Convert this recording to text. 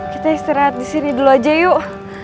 kita istirahat disini dulu aja yuk